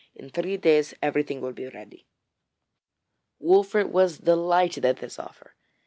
In three days everything will be ready.' Wolfert was delighted at this offer.